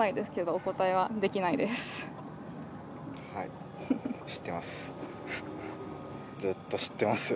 はい知ってます。